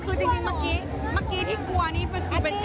อ๋อคือจริงเมื่อกี้ที่กลัวนี่เป็นการแสดง